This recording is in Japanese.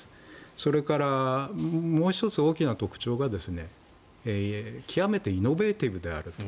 それから、もう１つ大きな特徴が極めてイノベーティブであるという。